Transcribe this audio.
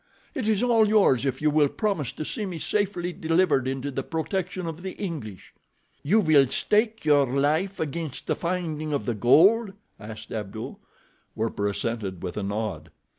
It is all yours if you will promise to see me safely delivered into the protection of the English." "You will stake your life against the finding of the gold?" asked Abdul. Werper assented with a nod.